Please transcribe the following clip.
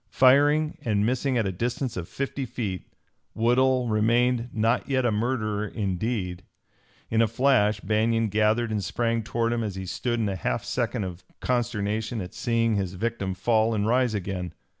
Firing and missing at a distance of fifty feet, Woodhull remained not yet a murderer in deed. In a flash Banion gathered and sprang toward him as he stood in a half second of consternation at seeing his victim fall and rise again.